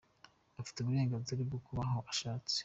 Ufite uburenganzira bwo kuba aho ushatse.